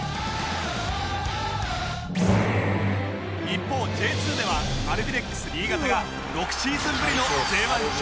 一方 Ｊ２ ではアルビレックス新潟が６シーズンぶりの Ｊ１ 昇格を決めました！